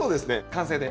完成で。